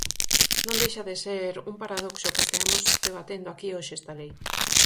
Non deixa de ser un paradoxo que esteamos debatendo aquí hoxe esta lei.